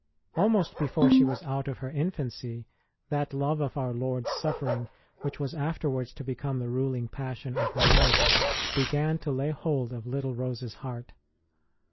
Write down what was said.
Almost before she was out of her infancy, that love of Our Lord s suffering, which was afterwards to become the ruling passion of her life, began to lay hold of little Rose s heart.